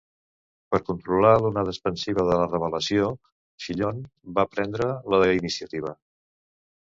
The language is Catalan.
Per controlar l'onada expansiva de la revelació, Fillon va prendre la iniciativa.